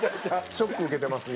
ショック受けてます